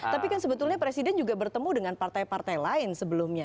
tapi kan sebetulnya presiden juga bertemu dengan partai partai lain sebelumnya